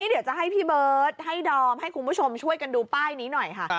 เดี๋ยวจะให้พี่เบิร์ตให้ดอมให้คุณผู้ชมช่วยกันดูป้ายนี้หน่อยค่ะ